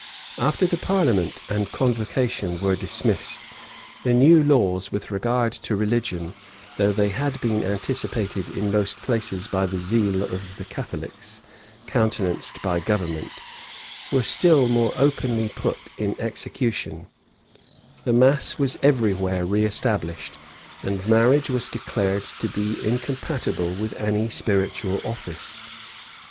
{1554.} After the parliament and convocation were dismissed, the new laws with regard to religion, though they had been anticipated in most places by the zeal of the Catholics, countenanced by government, were still more openly put in execution: the mass was every where reëstablished; and marriage was declared to be incompatible with any spiritual office.